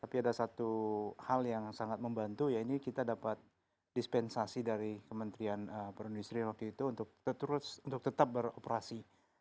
tapi ada satu hal yang sangat membantu ya ini kita dapat dispensasi dari kementerian perindustrian waktu itu untuk tetap beroperasi